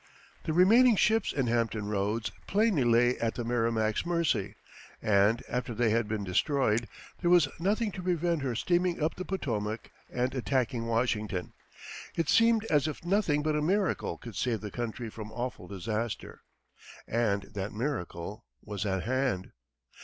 The remaining ships in Hampton Roads plainly lay at the Merrimac's mercy, and after they had been destroyed, there was nothing to prevent her steaming up the Potomac and attacking Washington. It seemed as if nothing but a miracle could save the country from awful disaster. And that miracle was at hand.